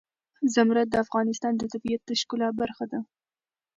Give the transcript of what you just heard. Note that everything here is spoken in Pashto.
زمرد د افغانستان د طبیعت د ښکلا برخه ده.